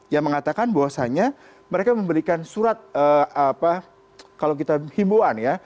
yang mengatakan bahwasannya mereka memberikan surat kalau kita himbuan ya